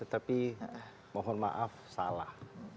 tapi mohon maaf salah